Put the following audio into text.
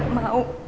aku gak mau